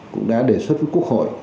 cũng đã đề xuất với quốc hội